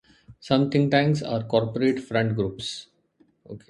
Some think tanks are corporate front groups.